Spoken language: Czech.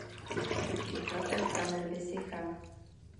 V suchých letech pramen vysychá.